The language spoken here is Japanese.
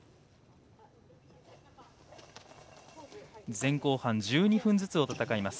前後半１２分ずつ戦います。